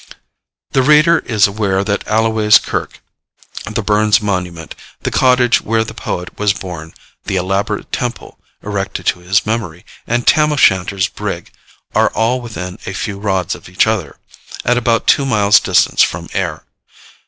The reader is aware that Alloway's kirk, the Burns monument, the cottage where the poet was born, the elaborate temple, erected to his memory, and Tam O'Shanter's brig, are all within a few rods of each other, at about two miles' distance from Ayr.